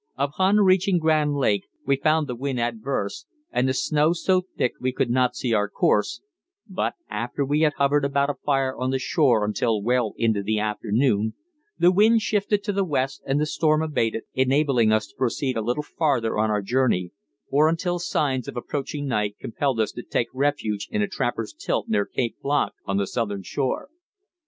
Upon reaching Grand Lake we found the wind adverse and the snow so thick we could not see our course, but after we had hovered about a fire on the shore until well into the afternoon, the wind shifted to the west and the storm abated, enabling us to proceed a little farther on our journey, or until signs of approaching night compelled us to take refuge in a trapper's tilt near Cape Blanc on the southern shore.